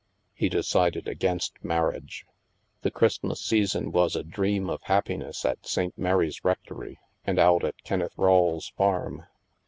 He decided against marriage. The Christmas season was a dream of happiness at St. Mary's Rectory and out at Kenneth Rawle's farm.